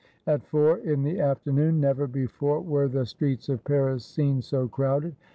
At four in the afternoon, never before were the streets of Paris seen so crowded.